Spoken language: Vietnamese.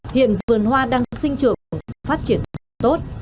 hiện vườn hoa đang sinh trưởng phát triển tốt